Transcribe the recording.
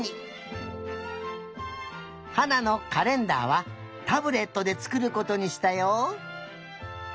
はなのカレンダーはタブレットでつくることにしたよ。